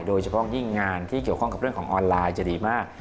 โดยเฉพาะยิ่งงานที่เกี่ยวข้องกับเรื่องของออนไลน์จะดีมาก